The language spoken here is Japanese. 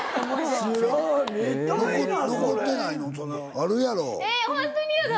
あるやろ！